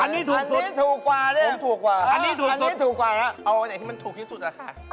อันนี้ถูกสุดผมถูกกว่าอันนี้ถูกกว่าแล้วเอาไหนที่มันถูกที่สุดละค่ะ